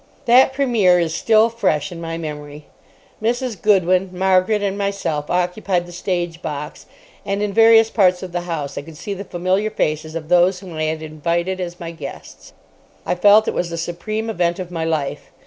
That première is still fresh in my memory. Mrs. Goodwin, Margaret, and myself occupied the stage box, and in various parts of the house I could see the familiar faces of those whom I had invited as my guests. I felt it was the supreme event of my life.